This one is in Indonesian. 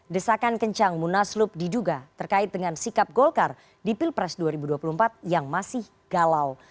desakan kencang munaslup diduga terkait dengan sikap golkar di pilpres dua ribu dua puluh empat yang masih galau